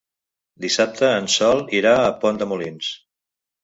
Dissabte en Sol irà a Pont de Molins.